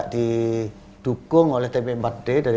didukung oleh tp empat d dari